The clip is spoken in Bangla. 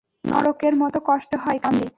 নরকের মতো কষ্ট হয়, কামলি।